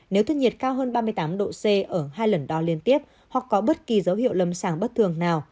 nếu thân nhiệt cao hơn ba mươi tám độ c ở hai lần đo liên tiếp hoặc có bất kỳ dấu hiệu lâm sàng bất thường nào